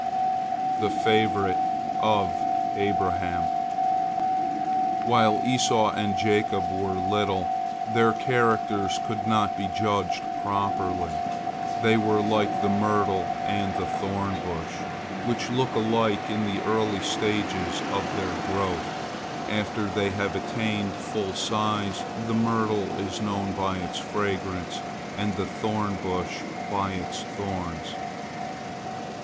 THE FAVORITE OF ABRAHAM While Esau and Jacob were little, their characters could not be judged properly. They were like the myrtle and the thorn bush, which look alike in the early stages of their growth. After they have attained full size, the myrtle is known by its fragrance, and the thorn bush by its thorns.